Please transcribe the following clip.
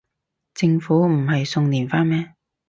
政府唔係送連花咩